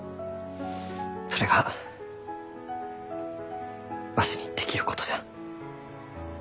それがわしにできることじゃ。